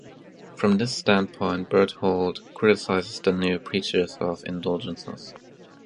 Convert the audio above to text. From this standpoint Berthold criticizes the new preachers of indulgences.